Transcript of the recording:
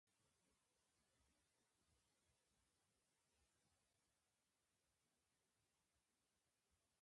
白头宫女在，闲坐说玄宗。